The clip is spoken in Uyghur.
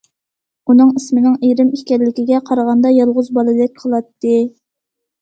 ئۇنىڭ ئىسمىنىڭ« ئىرىم» ئىكەنلىكىگە قارىغاندا، يالغۇز بالىدەك قىلاتتى.